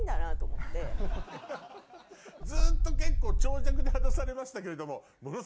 ずっと結構長尺で話されましたけれども。